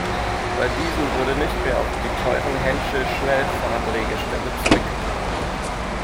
Bei diesen wurde nicht mehr auf die teuren Henschel-Schnellfahrdrehgestelle zurückgegriffen.